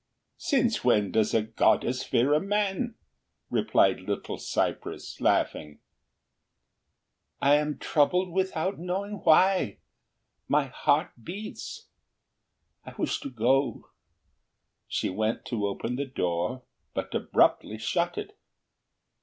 "Since when does a goddess fear a man?" replied Little cypress, laughing. "I am troubled without knowing why; my heart beats. I wish to go." She went to open the door, but abruptly shut it.